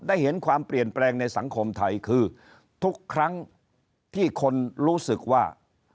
ได้เห็นความเปลี่ยนแปลงในสังคมไทยคือทุกครั้งที่คนรู้สึกว่า